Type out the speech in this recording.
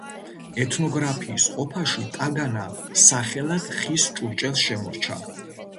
ეთნოგრაფიის ყოფაში ტაგანა სახელად ხის ჭურჭელს შემორჩა.